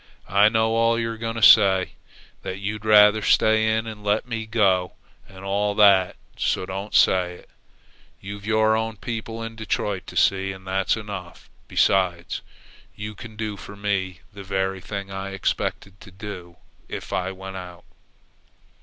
I know all you're going to say that you'd rather stay in and let me go, and all that; so don't say it. You've your own people in Detroit to see, and that's enough. Besides, you can do for me the very thing I expected to do if I went out."